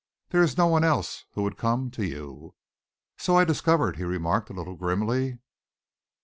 There is no one else who would come to you." "So I discovered," he remarked, a little grimly.